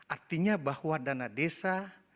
artinya bahwa dana desa